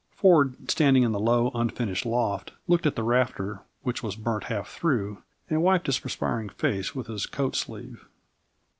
Ford, standing in the low, unfinished loft, looked at the rafter which was burnt half through, and wiped his perspiring face with his coat sleeve.